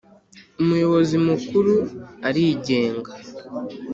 Umuyobozi Mukuru aringenga.